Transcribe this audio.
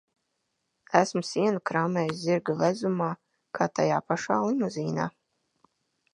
Esmu sienu krāmējusi zirga vezumā kā tajā pašā Limuzīnā.